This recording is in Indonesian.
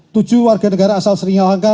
tujuh warga negara asal sri lanka